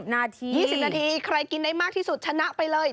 นาที๒๐นาทีใครกินได้มากที่สุดชนะไปเลย